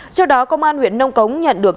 trước đó công an huyện nông cống nhận được